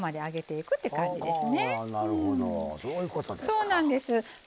そうなんです。